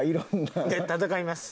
で戦います。